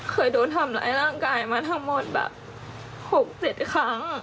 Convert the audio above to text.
เคยโดนทำร้ายร่างกายมาทั้งหมดแบบ๖๗ครั้ง